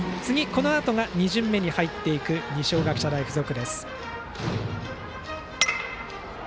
次から、２巡目に入っていく二松学舎大付属。